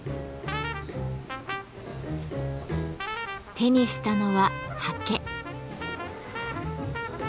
手にしたのは刷毛。